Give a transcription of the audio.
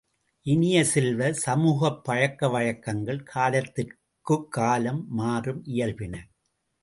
இனிய செல்வ, சமூகப் பழக்க வழக்கங்கள் காலத்திற்குக் காலம் மாறும் இயல்பின.